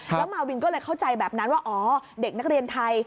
แล้วมาวินก็เลยเข้าใจแบบนั้นว่าอ๋อเด็กนักเรียนไทย